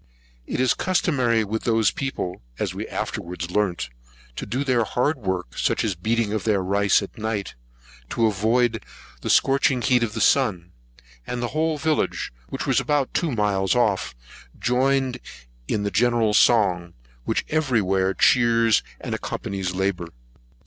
It is customary with those people, as we afterwards learnt, to do their hard work, such as beating out their rice at night, to avoid the scorching heat of the sun; and the whole village, which was about two miles off, joined in the general song, which every where chears and accompanies labour.